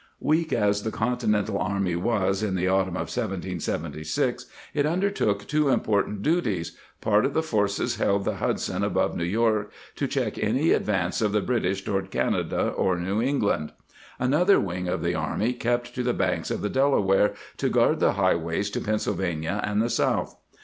"'^ Weak as the Continental army was in the autumn of 1776, it undertook two important duties; part of the forces held the Hudson above New York to check any advance of the British toward Canada or New England ; another wing of the army kept to the banks of the Delaware to guard the highways to Pennsylvania and the south.